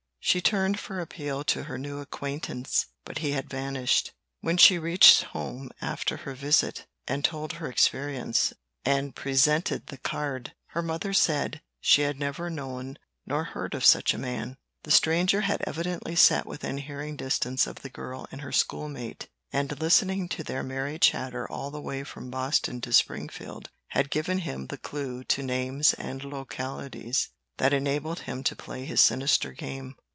She turned for appeal to her new acquaintance, but he had vanished. When she reached home after her visit, and told her experience, and presented the card, her mother said she had never known nor heard of such a man. The stranger had evidently sat within hearing distance of the girl and her schoolmate, and listening to their merry chatter all the way from Boston to Springfield, had given him the clue to names and localities that enabled him to play his sinister game.